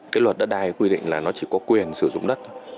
cái luật đất đai quy định là nó chỉ có quyền sử dụng đất thôi